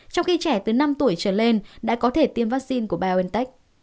trong khi trẻ từ năm tuổi trở lên đã có thể tiêm vaccine của biontech